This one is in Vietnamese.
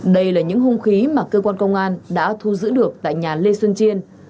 đây là những hung khí mà cơ quan công an đã thu giữ được tại nhà lê xuân chiên